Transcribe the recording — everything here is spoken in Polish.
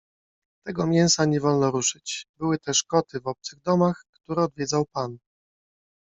Tego mięsa nie wolno ruszyć. Były też koty w obcych domach, które odwiedzał pan.